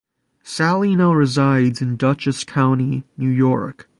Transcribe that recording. Sally now resides in Dutchess County, New York.